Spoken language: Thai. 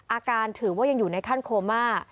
ถือว่ายังอยู่ในขั้นโคม่า